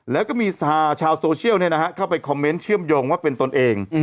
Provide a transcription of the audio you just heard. แล้วก็มีชาวโซเชียลเข้าไปคอมเมนต์เชื่อมโยงว่าเป็นตนเอง